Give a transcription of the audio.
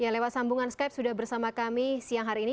lewat sambungan skype sudah bersama kami siang hari ini